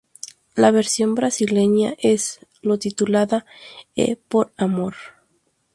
La versión brasileña es lo titulada "É Por Amor".